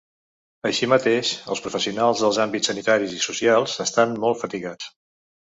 Així mateix, els professionals dels àmbits sanitaris i socials estan molt fatigats.